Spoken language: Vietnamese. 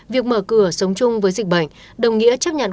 việc mở cửa sống chung với dịch bệnh đồng nghĩa chấp nhận